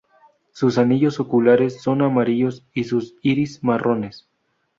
Sus anillos oculares son amarillos y sus iris marrones.